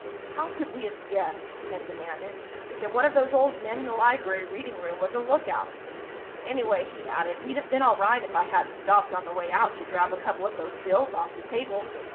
"How could we have guessed," Ken demanded, "that one of those old men in the library reading room was a lookout? Anyway," he added, "we'd have been all right if I hadn't stopped on the way out to grab a couple of those bills off the table.